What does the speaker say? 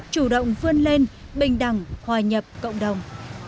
chủ động vươn lên bình đẳng hòa nhập cộng đồng